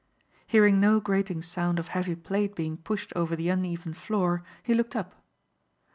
Hearing no grating sound of heavy plate being pushed over the uneven floor he looked up.